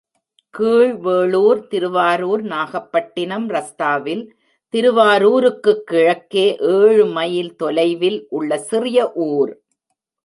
கீழ் வேளூர், திருவாரூர் நாகப்பட்டினம் ரஸ்தாவில் திருவாரூருக்குக் கிழக்கே ஏழுமைல் தொலைவில் உள்ள சிறிய ஊர்.